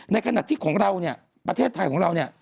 ในขณะที่ของเราเนี่ยประเทศไทยของเราเนี่ย